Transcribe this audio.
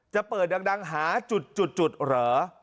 จะเปิดดังหาจุดเหรอ